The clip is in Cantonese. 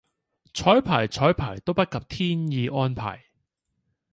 綵排綵排都不及天意安排